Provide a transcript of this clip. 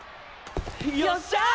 よっしゃあ！